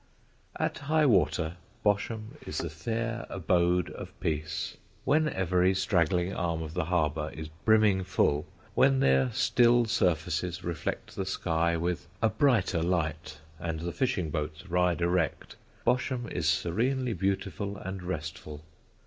At high water Bosham is the fair abode of peace. When every straggling arm of the harbour is brimming full, when their still surfaces reflect the sky with a brighter light, and the fishing boats ride erect, Bosham is serenely beautiful and restful.